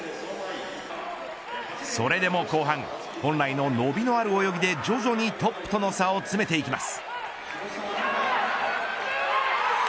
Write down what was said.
それでも後半本来の伸びのある泳ぎで徐々にトップとの差を詰めていきます。